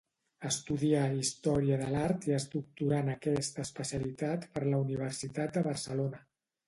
Estudià Història de l'Art i es doctorà en aquesta especialitat per la Universitat de Barcelona.